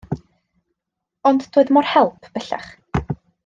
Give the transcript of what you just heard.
Ond doedd mo'r help bellach.